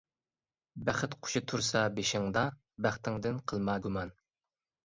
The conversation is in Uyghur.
بەخت قۇشى تۇرسا بېشىڭدا، بەختىڭدىن قىلما گۇمان.